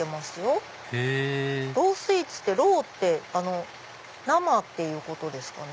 へぇロースイーツってローって生ってことですかね？